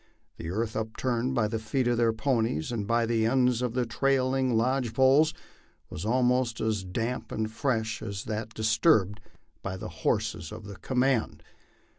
The earth upturned by the feet of their ponies and by the ends of the trailing lodge poles, was almost as damp and fresh as that disturbed by the horses of the command.